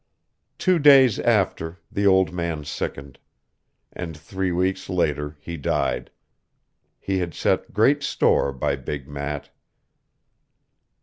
'" Two days after, the old man sickened; and three weeks later, he died. He had set great store by big Matt....